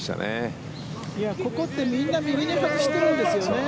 ここってみんな右に外しているんですよね。